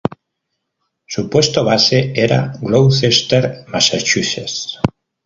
Su puerto base era Gloucester, Massachusetts.